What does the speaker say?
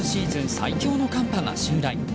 最強の寒波が襲来。